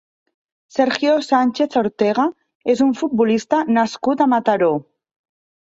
Sergio Sánchez Ortega és un futbolista nascut a Mataró.